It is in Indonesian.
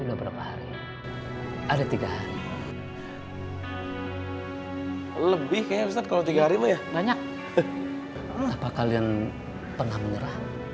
beberapa hari ada tiga hari lebih kayaknya kalau tiga hari banyak banyak apa kalian pernah menyerah